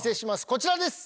こちらです。